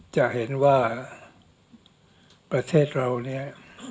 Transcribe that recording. จะเห็นว่าประเทศเราเนี่ย